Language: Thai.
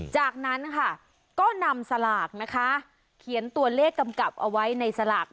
จากนั้นค่ะก็นำสลากนะคะเขียนตัวเลขกำกับเอาไว้ในสลาก